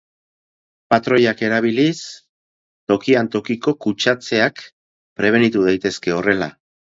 Patroiak erabiliz, tokian tokiko kutsatzeak prebenitu daitezke horrela.